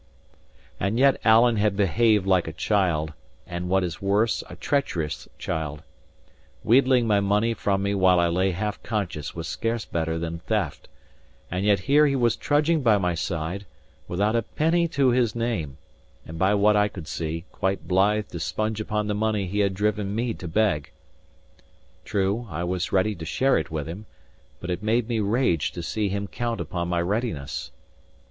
And yet Alan had behaved like a child, and (what is worse) a treacherous child. Wheedling my money from me while I lay half conscious was scarce better than theft; and yet here he was trudging by my side, without a penny to his name, and by what I could see, quite blithe to sponge upon the money he had driven me to beg. True, I was ready to share it with him; but it made me rage to see him count upon my readiness.